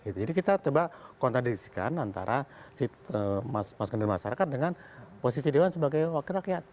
jadi kita coba kontradiksikan antara masyarakat dengan posisi dewan sebagai wakil rakyat